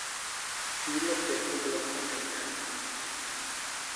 Sídlo firmy bylo v Nottingham.